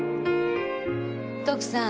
徳さん